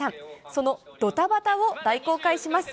そのどたばたを大公開します。